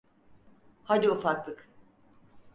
Hadi ufaklık.